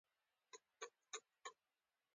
ټول کلي ته خو ډوډۍ نه شو ورکولی ګران کار دی.